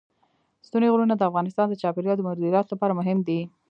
ستوني غرونه د افغانستان د چاپیریال د مدیریت لپاره مهم دي.